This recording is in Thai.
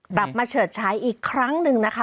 กลับมาเฉิดใช้อีกครั้งหนึ่งนะคะ